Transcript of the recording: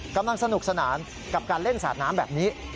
กำลังสนุกสนานกับการเล่นสาดน้ำแบบนี้